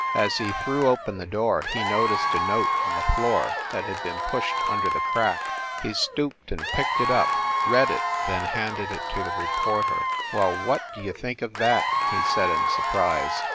As he threw open the door he noticed a note on the floor that had been pushed under the crack. He stooped and picked it up, read it, then handed it to the reporter. "Well, what d you think of that !" he said in surprise.